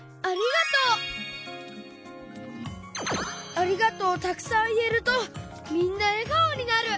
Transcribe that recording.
「ありがとう」をたくさんいえるとみんなえがおになる！